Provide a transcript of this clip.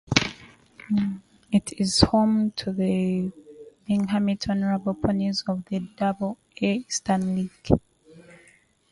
It is home to the Binghamton Rumble Ponies of the double-A Eastern League.